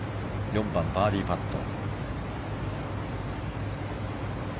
４番、バーディーパット。